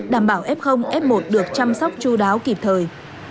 đảm bảo f f một được chăm sóc chú đáo kịp thời